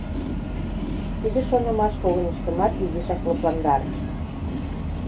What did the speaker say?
Тиде шонымаш когыньыштымат изишак лыпландарыш.